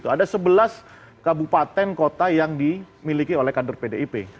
ada sebelas kabupaten kota yang dimiliki oleh kader pdip